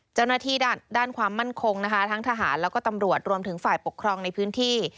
เจ้าหน้าที่ด้านความมั่นคงนะคะทั้งทหารแล้วก็ตำรวจรวมถึงฝ่ายปกครองในพื้นที่